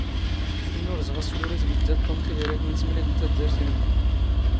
ⵏⵏⵓⵔⵣⵖ ⴰⴷ ⵙⵓⵍ ⵓⵔ ⵉⵙⴱⵉⴷⴷⴰⴷ ⵜⵓⵎ ⵜⵉⵀⵉⵔⵉⵜ ⵏⵏⵙ ⵎⵏⵉⴷ ⵏ ⵜⴰⴷⴷⴰⵔⵜ ⵉⵏⵓ.